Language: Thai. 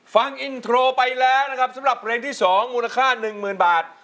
ฟังอินโทรไปแล้วนะครับสำหรับเพลงที่๒มูลค่า๑๐๐๐บาท